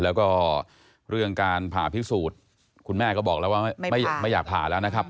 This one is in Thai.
แล้วก็เรื่องการผ่าพิสูจน์คุณแม่ก็บอกแล้วว่าไม่อยากผ่าแล้วนะครับ